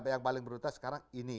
yang paling prioritas sekarang ini